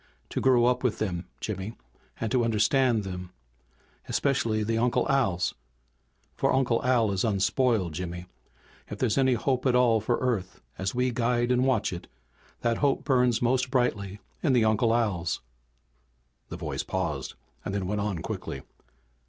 To grow up with them, Jimmy and to understand them. Especially the Uncle Als. For Uncle Al is unspoiled, Jimmy. If there's any hope at all for Earth as we guide and watch it, that hope burns most brightly in the Uncle Als!" The voice paused, then went on quickly.